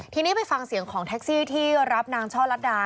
ทีนี้ไปฟังเสียงของแท็กซี่ที่รับนางช่อลัดดา